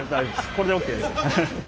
これでＯＫです。